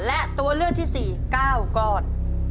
และตัวเลือกที่๔๙ก้อน